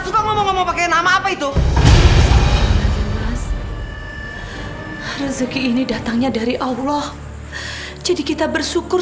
suka ngomong ngomong pakai nama apa itu mas rezeki ini datangnya dari allah jadi kita bersyukur